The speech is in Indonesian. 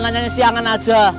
nanyanya siangan aja